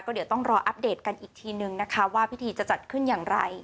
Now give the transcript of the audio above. เดี๋ยวต้องรออัปเดตกันอีกทีนึงนะคะว่าพิธีจะจัดขึ้นอย่างไร